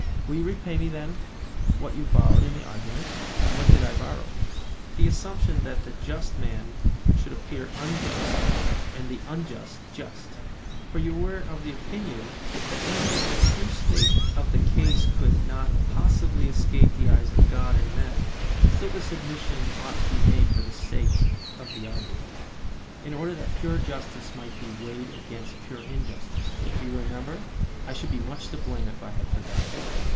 Will you repay me, then, what you borrowed in the argument? What did I borrow? The assumption that the just man should appear unjust and the unjust just: for you were of opinion that even if the true state of the case could not possibly escape the eyes of gods and men, still this admission ought to be made for the sake of the argument, in order that pure justice might be weighed against pure injustice. Do you remember? I should be much to blame if I had forgotten.